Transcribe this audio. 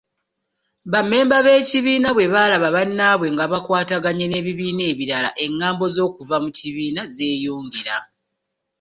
Bammemba b'ekibiina bwe balaba bannaabwe nga bakwataganye n'ebibiina ebirala, engambo z'okuva mu kibiina zeyongera.